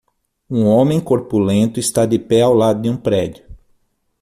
Um homem corpulento está de pé ao lado de um prédio.